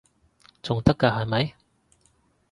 仲得㗎係咪？